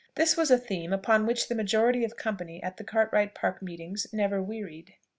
This was a theme upon which the majority of the company at the Cartwright Park meetings never wearied.